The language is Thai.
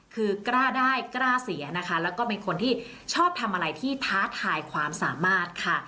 คือกล้าได้กล้าเสียนะคะแล้วก็เป็นคนที่ชอบทำอะไรที่ท้าทายความสามารถค่ะ